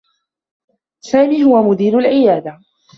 سامي هو مدير العيادة.